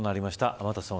天達さん